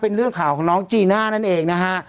เป็นเรื่องข่าวของน้องจีน่านั่นเองนะฮะ